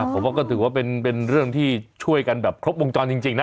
ผมว่าก็ถือว่าเป็นเรื่องที่ช่วยกันแบบครบวงจรจริงนะ